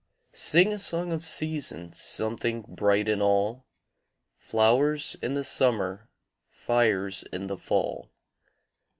Sing a song of seasons! Something bright in all! Flowers in the summer, Fires in the fall!